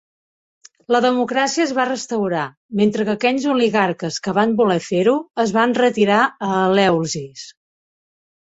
La democràcia es va restaurar, mentre que aquells oligarques que van voler fer-ho es van retirar a Eleusis.